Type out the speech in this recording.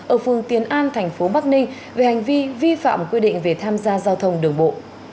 ở phương tiến an thành phố bắc ninh về hành vi vi phạm quy định về tham gia giao thông đường bộ